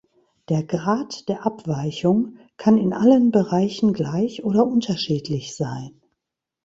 Der Grad der Abweichung kann in allen Bereichen gleich oder unterschiedlich sein.